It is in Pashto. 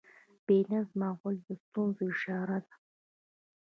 بې نظم غول د ستونزې اشاره ده.